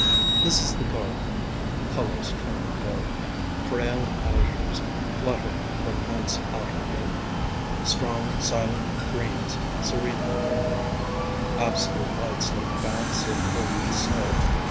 This is the garden: colors come and go, Frail azures fluttering from night's outer wing, Strong silent greens serenely lingering, Absolute lights like baths of golden snow.